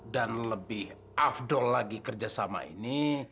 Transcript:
dan lebih afdol lagi kerjasama ini